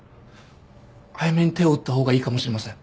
早めに手を打った方がいいかもしれません。